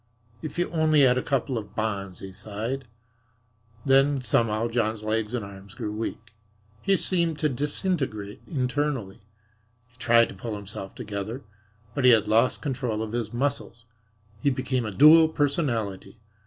"If you only had a couple of bonds," he sighed. Then somehow John's legs and arms grew weak. He seemed to disintegrate internally. He tried to pull himself together, but he had lost control of his muscles. He became a dual personality.